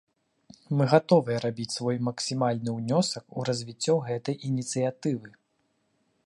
Мы гатовыя рабіць свой максімальны ўнёсак у развіццё гэтай ініцыятывы.